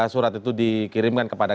surat itu dikirimkan kepada